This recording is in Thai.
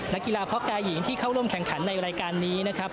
นักกีฬาพ่อแก่หญิงที่เข้าร่วมแข่งขันในรายการนี้นะครับ